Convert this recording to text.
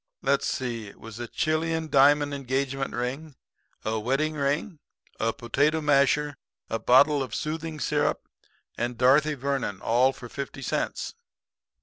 Let's see, it was a Chilian diamond engagement ring, a wedding ring, a potato masher, a bottle of soothing syrup and Dorothy Vernon all for fifty cents.'